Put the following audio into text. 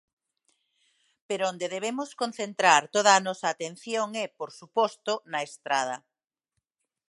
Pero onde debemos concentrar toda a nosa atención é, por suposto, na estrada.